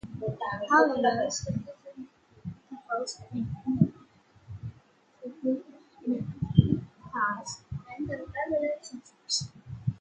However, skepticism between couples may inevitably cause the end of relationship.